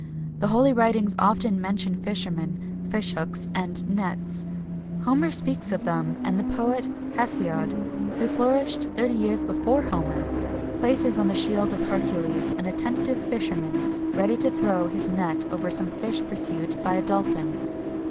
The holy writings often mention fishermen,[XXI 273] fish hooks, and nets. Homer speaks of them,[XXI 274] and the poet, Hesiod, who flourished thirty years before Homer,[XXI 275] places on the shield of Hercules an attentive fisherman, ready to throw his net over some fish pursued by a dolphin.